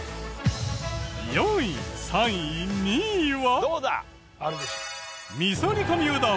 ４位３位２位は。